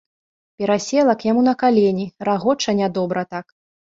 Перасела к яму на калені, рагоча нядобра так.